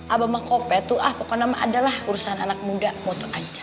abah mah kopet tuh ah pokoknya mah adalah urusan anak muda motor aja